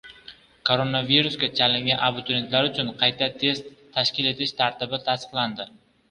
Koronavirusga chalingan abiturientlar uchun qayta test tashkil etish tartibi tasdiqlandi